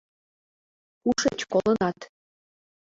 — Кушеч колынат?